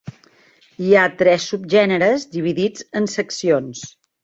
Hi ha tres subgèneres dividits en seccions.